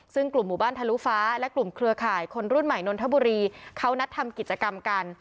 ซึ่งกลุ่มหมู่บ้านทะลุฟ้าและกลุ่มเครือข่ายคนรุ่นใหม่นนทบุรีเขานัดทำกิจกรรมกัน